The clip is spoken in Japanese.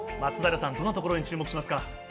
どんなところに注目しますか？